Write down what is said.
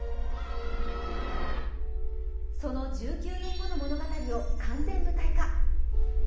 その１９年後の物語を完全舞台化。